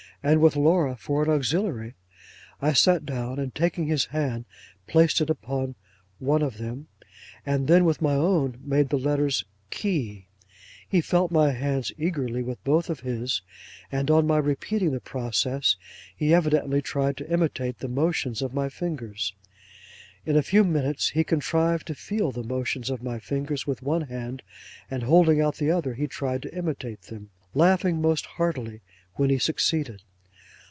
and with Laura for an auxiliary, I sat down, and taking his hand, placed it upon one of them, and then with my own, made the letters key. He felt my hands eagerly with both of his, and on my repeating the process, he evidently tried to imitate the motions of my fingers. In a few minutes he contrived to feel the motions of my fingers with one hand, and holding out the other he tried to imitate them, laughing most heartily when he succeeded.